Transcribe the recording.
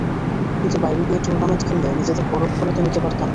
কিন্তু বাইরে গিয়ে টুর্নামেন্টে খেললে নিজেদের পরখ করে তো নিতে পারতাম।